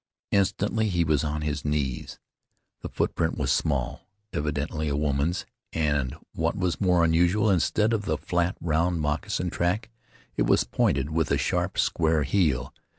Instantly he was on his knees. The footprint was small, evidently a woman's, and, what was more unusual, instead of the flat, round moccasin track, it was pointed, with a sharp, square heel.